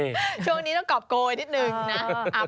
ช่วงนี้ต้องกรอบโกยนิดนึงนะ